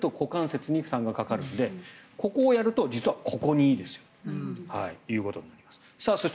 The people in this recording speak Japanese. バランスが崩れると股関節に負担がかかるのでここをやるとここにいいですよということです。